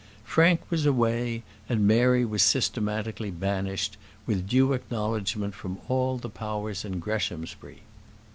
Frank was away, and Mary was systematically banished, with due acknowledgement from all the powers in Greshamsbury.